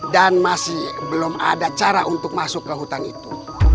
dan masih belum ada cara untuk masuk ke hutan itu